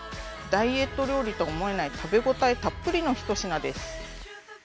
ダイエット料理と思えない食べ応えたっぷりの１品です。